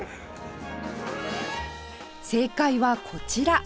正解はこちら